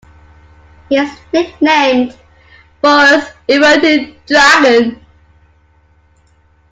He is nicknamed "Forest Emerging Dragon".